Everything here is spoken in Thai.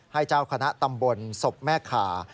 เจ้าคณะตำบลศพแม่ขา